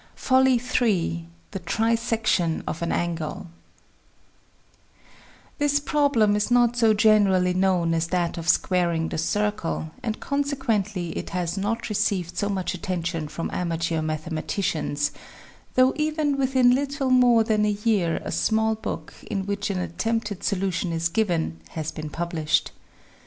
Ill THE TRISECTION OF AN ANGLE HIS problem is not so generally known as that of squaring the circle, and consequently it has not received so much attention from amateur mathe maticians, though even within little more than a year a small book, in which an attempted solution is given, has been published.